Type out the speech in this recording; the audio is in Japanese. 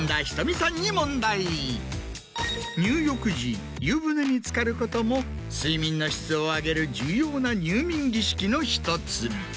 入浴時湯船につかることも睡眠の質を上げる重要な入眠儀式の１つ。